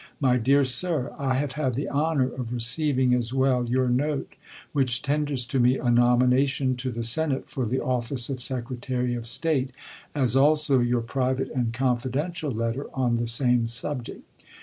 My Dear Sir: I have had the honor of receiving as well your note which tenders to me a nomination to the Senate for the office of Secretary of State, as also your private and confidential letter on the same subject.